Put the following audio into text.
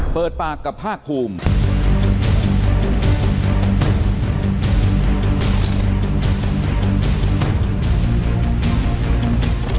เปิดปากกับภาคภูมิ